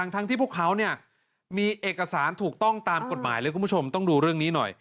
ทั้งที่พวกเขามีเอกสารถูกต้องตามกฎหมายเลยคุณผู้ชมต้องดูเรื่องนี้หน่อย